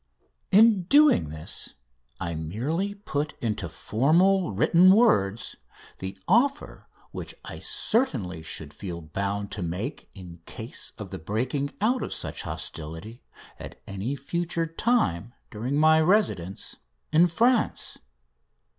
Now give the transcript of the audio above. In doing this I merely put into formal written words the offer which I certainly should feel bound to make in case of the breaking out of such hostilities at any future time during my residence in France.